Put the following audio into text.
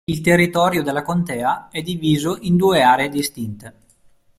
Il territorio dalla contea è diviso in due aree distinte.